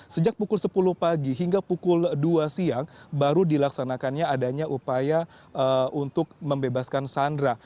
sejak pukul sepuluh pagi hingga pukul dua siang baru dilaksanakannya adanya upaya untuk membebaskan sandra